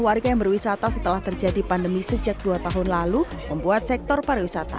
rombongan berwisata setelah terjadi pandemi sejak dua tahun lalu membuat sektor para wisata